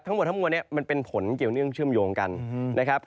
ทั้งหมดทั้งมวลเนี่ยมันเป็นผลเกี่ยวเนื่องเชื่อมโยงกันนะครับ